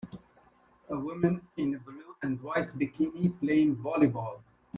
A woman in a blue and white bikini playing volleyball